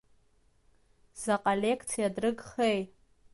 Заҟа лекциа дрыгхеи?